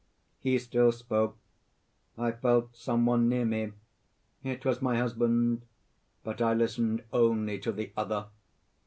"He still spoke. I felt some one near me. It was my husband; but I listened only to the other.